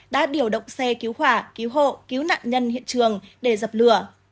đã điều động xe cứu hỏa cứu hộ cứu nạn nhân hiện trường để dập lửa